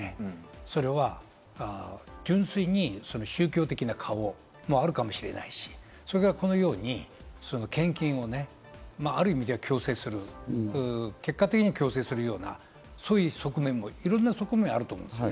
それは純粋に宗教的な顔もあるかもしれないし、それからこのように献金を、ある意味では強制する、結果的に強制するような、そういう側面もいろんな側面があると思う。